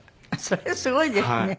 それすごいですね。